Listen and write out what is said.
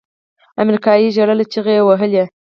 امريکايي ژړل چيغې يې وهلې.